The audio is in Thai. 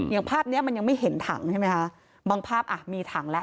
อย่างภาพเนี้ยมันยังไม่เห็นถังใช่ไหมคะบางภาพอ่ะมีถังแล้ว